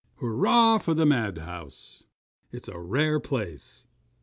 Hurrah for the madhouse! Oh, it's a rare place!